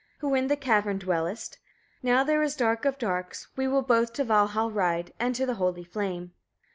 who in the cavern dwellest. Now there is dark of darks; we will both to Valhall ride, and to the holy fane.